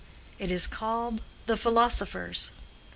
"It is called 'The Philosophers.